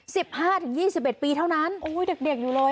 สิบห้าถึงยี่สิบเอ็ดปีเท่านั้นโอ้ยเด็กเด็กอยู่เลย